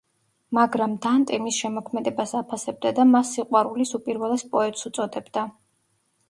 მაგრამ დანტე მის შემოქმედებას აფასებდა და მას „სიყვარულის უპირველეს პოეტს“ უწოდებდა.